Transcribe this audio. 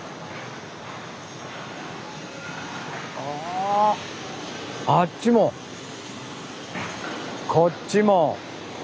ああっちもこっちも。